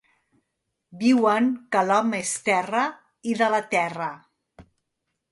Dieu que l’home és terra i de la terra.